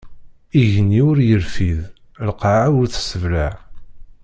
Igenni ur irfid, lqaɛa ur tesseblaɛ.